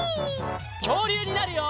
きょうりゅうになるよ！